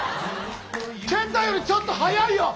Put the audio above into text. ケンタよりちょっと速いよ。